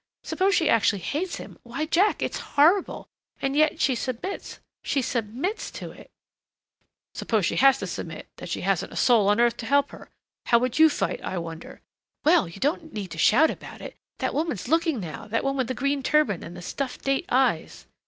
Suppose she actually hates him? Why, Jack, it's horrible! And yet she submits she submits to it " "Suppose she has to submit, that she hasn't a soul on earth to help her? How would you fight, I wonder " "Well, you don't need to shout about it! That woman's looking now that one with the green turban and the stuffed date eyes."